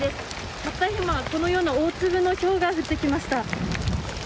たった今、このような大粒のひょうが降ってきました。